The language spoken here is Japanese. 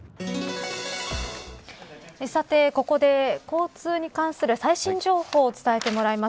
さて、ここで交通に関する最新情報を伝えてもらいます。